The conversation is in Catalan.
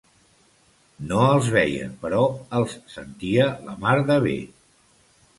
No els veia, però els sentia la mar de bé.